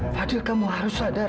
fadil kamu harus hadap